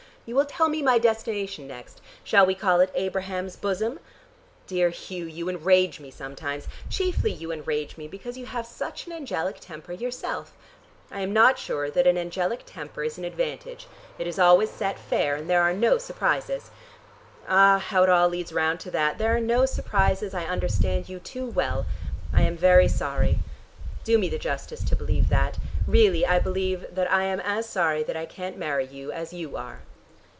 You will tell me my destination next, shall we call it Abraham's bosom? Dear Hugh, you enrage me sometimes. Chiefly you enrage me because you have such an angelic temper yourself. I am not sure that an angelic temper is an advantage: it is always set fair, and there are no surprises. Ah, how it all leads round to that: there are no surprises: I understand you too well. I am very sorry. Do me the justice to believe that. Really I believe that I am as sorry that I can't marry you as you are."